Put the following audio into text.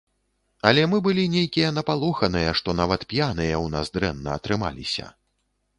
Але мы былі нейкія напалоханыя, што нават п'яныя ў нас дрэнна атрымаліся.